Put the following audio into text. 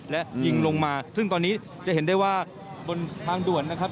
และยิงลงมาซึ่งตอนนี้จะเห็นได้ว่าบนทางด่วนนะครับ